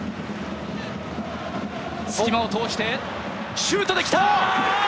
隙間を通してシュートで来た！